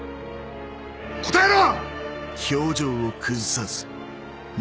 答えろ！